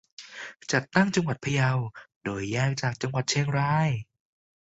จัดตั้งจังหวัดพะเยา โดยแยกจากจังหวัดเชียงราย